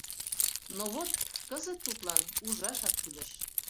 Но вот кызыт тудлан ужашак кӱлеш.